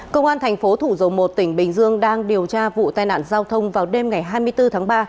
công an thành phố thủ dầu một tỉnh bình dương đang điều tra vụ tai nạn giao thông vào đêm ngày hai mươi bốn tháng ba